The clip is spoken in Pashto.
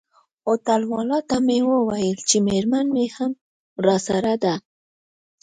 هوټل والاو ته مې وویل چي میرمن مي هم راسره ده.